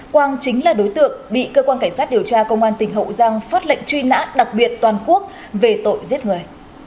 quang chính là đối tượng bị cơ quan cảnh sát điều tra công an tỉnh hậu giang phát lệnh truy nã đặc biệt toàn quốc về tội giết người